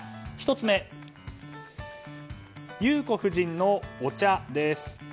１つ目、裕子夫人のお茶です。